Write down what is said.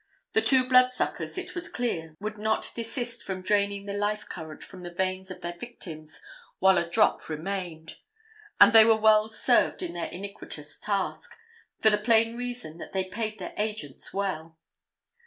The two bloodsuckers, it was clear, would not desist from draining the life current from the veins of their victims while a drop remained. And they were well served in their iniquitous task, for the plain reason that they paid their agents, well.